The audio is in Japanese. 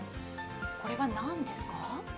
これは何ですか？